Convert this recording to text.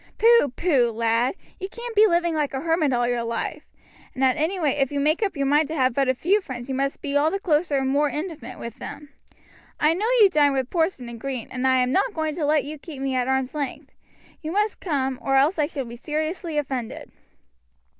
Pooh, pooh, lad! you can't be living like a hermit all your life; and at any rate if you make up your mind to have but a few friends you must be all the closer and more intimate with them. I know you dine with Porson and Green, and I am not going to let you keep me at arm's length; you must come, or else I shall be seriously offended."